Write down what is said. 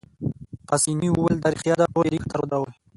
پاسیني وویل: دا ريښتیا ده، ټول يې لیک قطار ودرول.